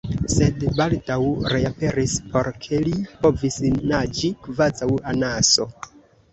sed baldaŭ reaperis por ke, li povis naĝi kvazaŭ anaso.